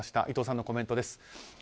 伊藤さんのコメントです。